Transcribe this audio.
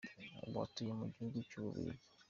Ubu atuye mu gihugu cy’u Bubiligi.